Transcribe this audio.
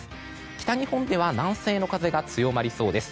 北日本では南西の風が強まりそうです。